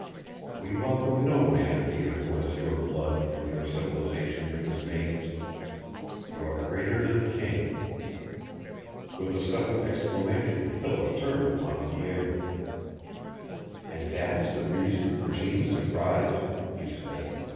We welcome no man here who has your blood and your civilization in his veins. You are greater than a king!" With a sudden exclamation Philip turned upon Pierre. "And that is the reason for Jeanne's surprise?" he said.